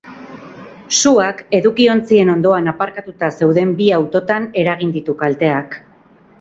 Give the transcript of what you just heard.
Suak, edukiontzien ondoan aparkatuta zeuden bi autotan eragin ditu kalteak.